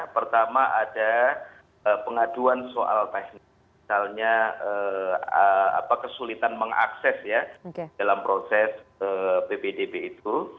pertama ada pengaduan soal teknis misalnya kesulitan mengakses ya dalam proses ppdb itu